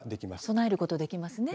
備えることできますね。